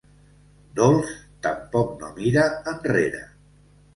Dols tampoc no mira enrere.